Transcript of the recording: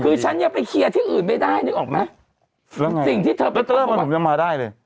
คือฉันยังไปคียะที่อื่นไม่ได้นึกออกไหมสิ่งที่เธอยังมาได้เลย